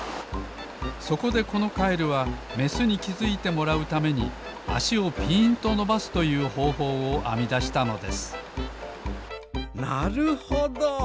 そこでこのカエルはメスにきづいてもらうためにあしをぴーんとのばすというほうほうをあみだしたのですなるほど。